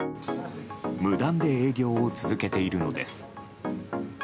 無断で営業を続けているのです。